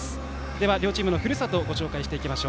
では両チームのふるさとをご紹介していきます。